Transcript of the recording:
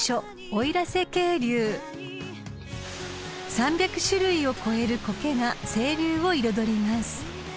［３００種類を超える苔が清流を彩ります］